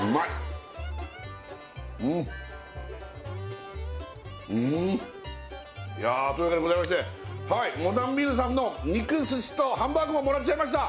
うんうんいやというわけでございましてはいモダンミールさんの肉寿司とハンバーグももらっちゃいました